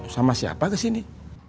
sama siapa kesini